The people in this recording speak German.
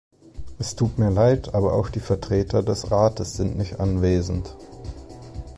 Es tut mir leid, aber auch die Vertreter des Rates sind nicht anwesend.